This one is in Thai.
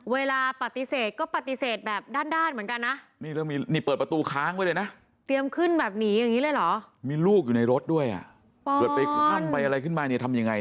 เวลาปฏิเสธก็ปฏิเสธแบบด้านเหมือนกันนะ